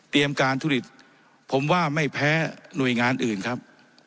เตรียมการทุฤษภูมิผมว่าไม่แพ้หน่วยงานอื่นครับ